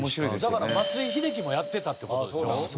だから松井秀喜もやってたって事でしょ？